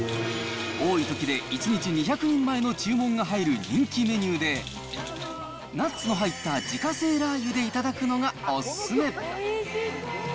多いときで１日２００人前の注文が入る人気メニューで、ナッツの入った自家製ラー油で頂くのがお勧め。